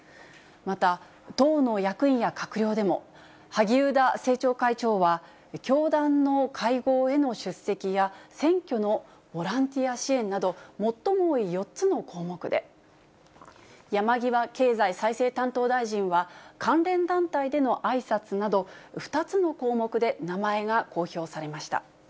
また、党の役員や閣僚でも、萩生田政調会長は、教団の会合への出席や、選挙のボランティア支援など、最も多い４つの項目で、山際経済再生担当大臣は、関連団体でのあいさつなど、２つの項目で、名前が公表されました。